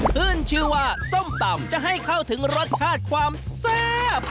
ขึ้นชื่อว่าส้มตำจะให้เข้าถึงรสชาติความแซ่บ